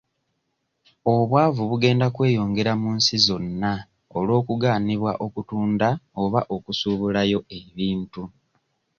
Obwavu bugenda kweyongera mu nsi zonna olw'okugaanibwa okutunda oba okusuubulayo ebintu.